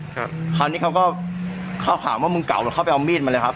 คราวนี้เขาก็เขาถามว่ามึงเก่าหรือเขาไปเอามีดมาเลยครับ